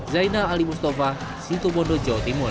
zainal ali mustafa situ bondo jawa timur